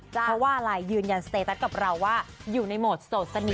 เพราะว่าอะไรยืนยันสเตตัสกับเราว่าอยู่ในโหมดโสดสนิท